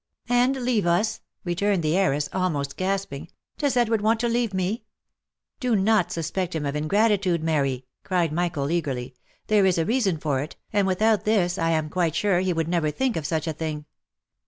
"And leave us!" returned the heiress, almost gasping. "Does Edward want to leave me ?"" Do not suspect him of ingratitude, Mary !" cried Michael, eagerly ;" there is a reason for it,] and without this I am quite sure he would never think of such a thing.